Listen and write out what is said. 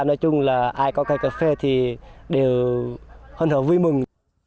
nói chung là ai có cây cà phê thì đều hân hợp vui mừng